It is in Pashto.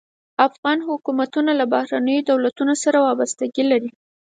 افغان حکومتونه له بهرنیو دولتونو سره وابستګي لري.